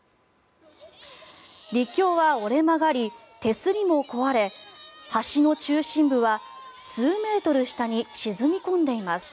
陸橋は折れ曲がり手すりも壊れ橋の中心部は数メートル下に沈み込んでいます。